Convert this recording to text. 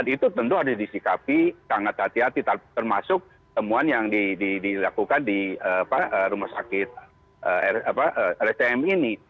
itu tentu ada disikapi sangat hati hati termasuk temuan yang dilakukan di rumah sakit lsm ini